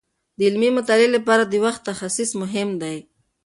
د علمي مطالعې لپاره د وخت تخصیص مهم دی.